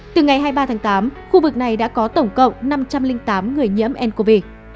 từ ngày hai mươi ba tháng tám khu vực này đã có tổng cộng năm trăm linh tám người nhiễm ncov